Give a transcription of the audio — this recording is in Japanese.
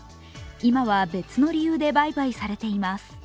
今は別の理由で売買されています。